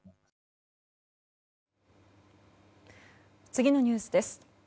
次のニュースです。